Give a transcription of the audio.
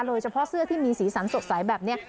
โดยเฉพาะเสื้อที่มีสีสันสดใสแบบนี้